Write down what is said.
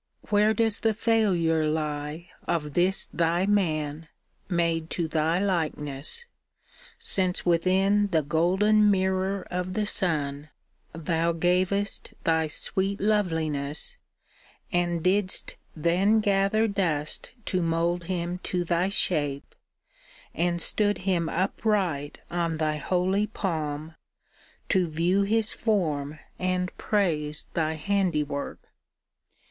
Where does the failure lie Of this Thy man, made to Thy likeness, since Within the golden mirror of the sun Thou gavest Thy sweet loveliness and didst Then gather dust to mould him to Thy shape, And stood him upright on Thy holy palm To view his form and praise Thy handiwork?